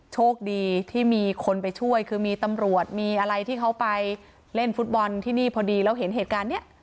โชคดีที่มีคนไปช่วยคือมีตำรวจมีอะไรที่เขาไปเล่นฟุตบอลที่นี่พอดีแล้วเห็นเหตุการณ์นี้